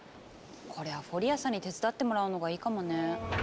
これはフォリアさんに手伝ってもらうのがいいかもね。